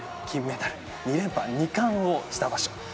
金メダル２連覇２冠をした場所。